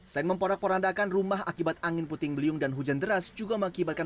selain memporak porandakan rumah akibat angin puting beliung dan hujan deras juga mengakibatkan